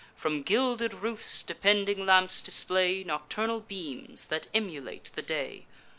From gilded roofs depending lamps display Nocturnal beams, that emulate the day.